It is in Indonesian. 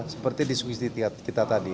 seperti diskusi kita tadi